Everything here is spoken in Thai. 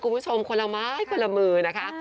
คุณผู้ชมคนละไม้คนละมือนะคะ